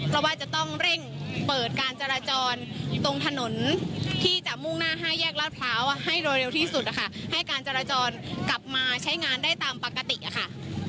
เพราะว่าจะต้องเร่งเปิดการจราจรตรงถนนที่จะมุ่งหน้าห้าแยกลาดพร้าวให้โดยเร็วที่สุดนะคะให้การจราจรกลับมาใช้งานได้ตามปกติอะค่ะ